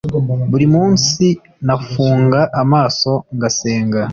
buri munsi nafunga amaso ngasenga,